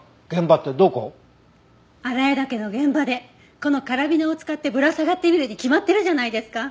荒谷岳の現場でこのカラビナを使ってぶら下がってみるに決まってるじゃないですか。